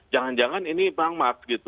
jangan jangan ini bang max